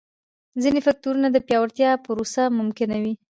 ځیني فکټورونه د پیاوړتیا پروسه ممکنوي.